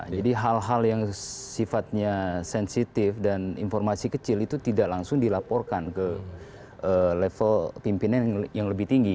jadi hal hal yang sifatnya sensitif dan informasi kecil itu tidak langsung dilaporkan ke level pimpinan yang lebih tinggi